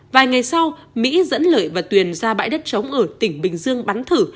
vài ngày sau mỹ dẫn lợi và tuyền ra bãi đất trống ở tỉnh bình dương bắn thử